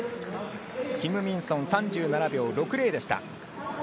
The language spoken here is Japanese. キム・ミンソン、３７秒６０でした。